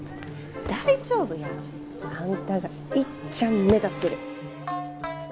大丈夫や。あんたがいっちゃん目立ってる。